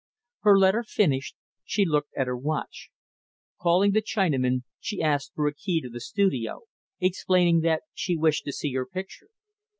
Her letter finished, she looked at her watch. Calling the Chinaman, she asked for a key to the studio, explaining that she wished to see her picture.